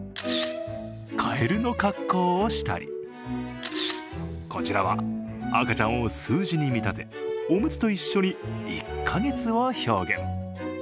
かえるの格好をしたりこちらは赤ちゃんを数字に見立て、おむつと一緒に１か月を表現。